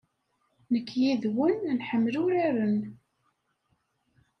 Nekk yid-wen nḥemmel uraren.